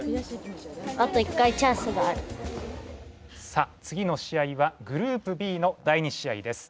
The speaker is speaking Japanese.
さあ次の試合はグループＢの第２試合です。